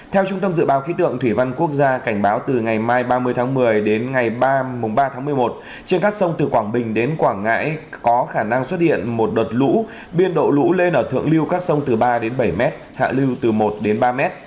theo trung tâm dự báo khí tượng thủy văn quốc gia cảnh báo từ ngày mai ba mươi tháng một mươi đến ngày ba tháng một mươi một trên các sông từ quảng bình đến quảng ngãi có khả năng xuất hiện một đợt lũ biên độ lũ lên ở thượng lưu các sông từ ba đến bảy m hạ lưu từ một đến ba m